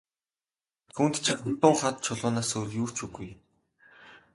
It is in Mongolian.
Түүнд чинь хатуу хад чулуунаас өөр юу ч үгүй.